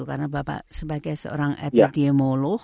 karena bapak sebagai seorang epidemiolog